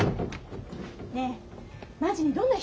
ねえマジにどんな人？